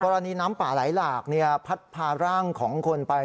น้ำป่าไหลหลากพัดพาร่างของคนไป